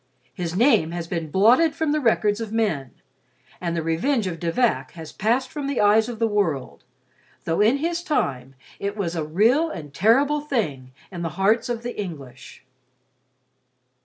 His name has been blotted from the records of men; and the revenge of De Vac has passed from the eyes of the world; though in his time it was a real and terrible thing in the hearts of the English.